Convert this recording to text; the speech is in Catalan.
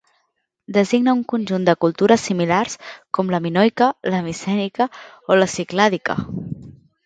Designa un conjunt de cultures similars, com la minoica, la micènica o la ciclàdica.